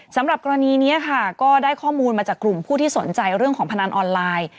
สำหรับกรณีนี้ค่ะก็ได้ข้อมูลมาจากกลุ่มผู้ที่สนใจเรื่องของพนันออนไลน์